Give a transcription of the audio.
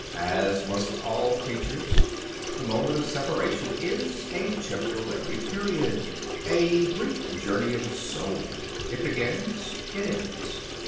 "As must all creatures. The moment of separation is a temporary period, a brief journey of the soul. It begins, it ends.